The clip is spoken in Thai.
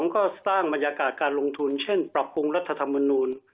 ก็สร้างบรรยากาศการลงทุนเช่นปรับปรุงรัฐธรรมนูล